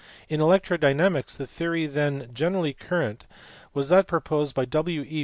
In electrodynamics the theory then generally current was that proposed by W. E.